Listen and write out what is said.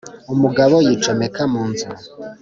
umugabo yicomeka mu nzu